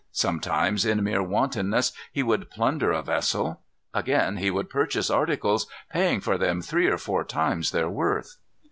Sometimes, in mere wantonness, he would plunder a vessel. Again he would purchase articles, paying for them three or four times their worth.